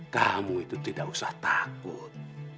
kamu itu tidak usah takut